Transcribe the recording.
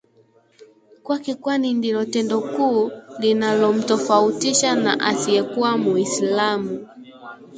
kwake kwani ndilo tendo kuu linalomtofautisha na asiyekuwa Muislamu